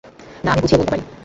না, আমি বুঝিয়ে বলতে পারি!